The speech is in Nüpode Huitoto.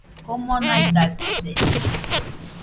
komo naidabide